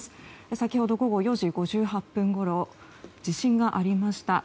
先ほど午後４時５８分ごろ地震がありました。